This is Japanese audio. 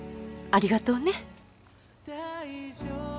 ありがとう。